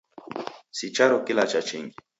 Si charo kilacha chingi.